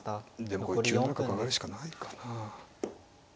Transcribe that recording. でもこれ９七角上がるしかないかな。